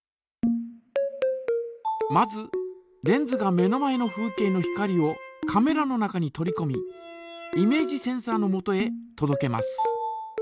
まずレンズが目の前の風景の光をカメラの中に取りこみイメージセンサのもとへとどけます。